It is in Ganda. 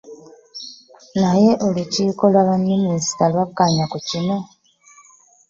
Naye olukiiko lwa baminisita lwakkaanya ku kino?